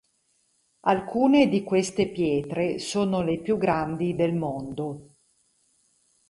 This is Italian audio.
Alcune di queste pietre sono le più grandi del mondo.